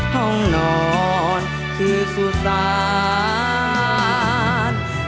ห้องนอนคือสุราช